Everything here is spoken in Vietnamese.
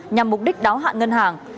nhằm mục đích đáo hạn ngân hàng